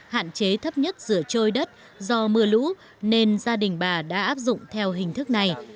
hạn chế thấp nhất rửa trôi đất do mưa lũ nên gia đình bà đã áp dụng theo hình thức này